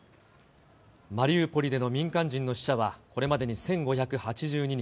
マリウポリでの民間人の死者はこれまでに１５８２人。